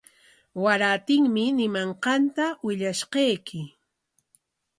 Warantinmi ñimanqanta willashqayki.